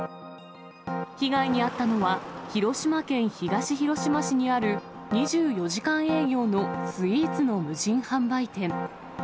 被害に遭ったのは、広島県東広島市にある２４時間営業のスイーツの無人販売店。